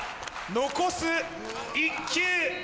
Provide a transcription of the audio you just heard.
残す１球！